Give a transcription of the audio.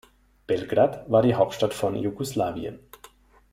Belgrad war die Hauptstadt von Jugoslawien.